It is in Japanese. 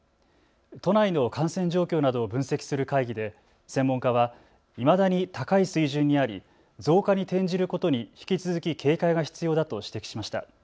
都内の感染状況などを分析する会議で専門家は高い水準にあり、増加に転じることに引き続き警戒が必要だと指摘しました。